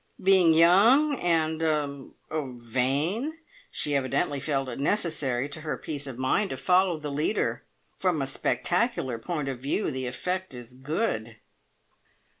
Being young and er vain, she evidently felt it necessary to her peace of mind to follow the leader. From a spectacular point of view the effect is good."